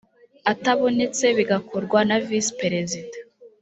atabonetse bigakorwa na visi perezida